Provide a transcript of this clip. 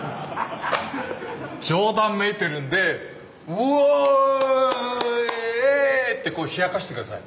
冗談めいてるんで「うお！イエイ！」って冷やかして下さい。